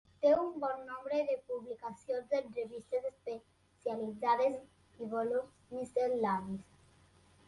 Té un bon nombre de publicacions en revistes especialitzades i volums miscel·lanis.